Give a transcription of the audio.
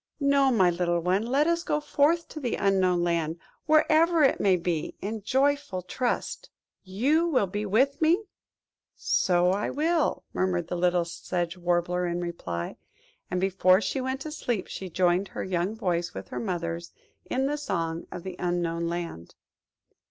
No, my little one, let us go forth to the Unknown Land, wherever it may be, in joyful trust." "You will be with me;–so I will," murmured little Sedge Warbler in reply; and before she went to sleep she joined her young voice with her mother's in the song of the Unknown Land.